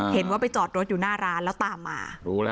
เห็นว่าไปจอดรถอยู่หน้าร้านแล้วตามมา